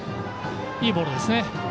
いいボールですね。